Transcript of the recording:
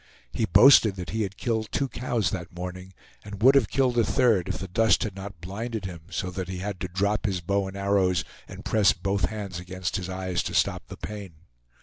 He boasted that he had killed two cows that morning, and would have killed a third if the dust had not blinded him so that he had to drop his bow and arrows and press both hands against his eyes to stop the pain.